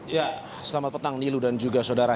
ya selamat petang nilu dan juga saudara